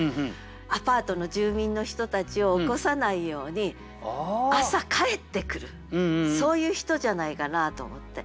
アパートの住民の人たちを起こさないように朝帰ってくるそういう人じゃないかなと思って。